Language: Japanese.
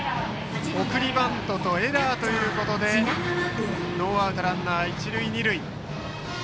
送りバントとエラーということでノーアウトランナー、一塁二塁。